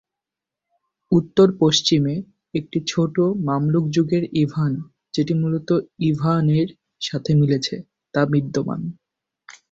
উত্তর-পশ্চিমে, একটি ছোট মামলুক-যুগের "ইভান" যেটি মূল ইভা"নের" সাথে মিলেছে তা বিদ্যমান।